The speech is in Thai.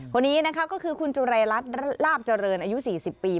คนนี้นะคะก็คือคุณจุรายรัฐลาบเจริญอายุ๔๐ปี